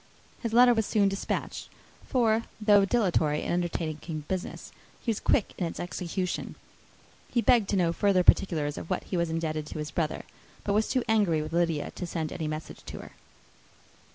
His letter was soon despatched; for though dilatory in undertaking business, he was quick in its execution. He begged to know further particulars of what he was indebted to his brother; but was too angry with Lydia to send any message to her.